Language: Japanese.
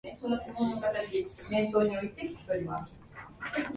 目の前にはバスロータリーが広がっている